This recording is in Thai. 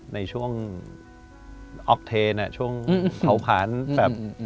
ในช่วงออกเทนช่วงเผาพันธุ์